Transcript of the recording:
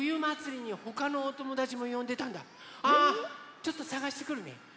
ちょっとさがしてくるね。